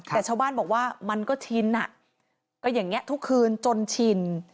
แต่ชาวบ้านบอกว่ามันก็ชินก็อย่างนี้ทุกคืนจนชิน